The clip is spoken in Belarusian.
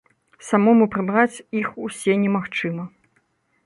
Самому прыбраць іх усе немагчыма.